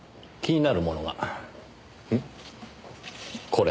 これ。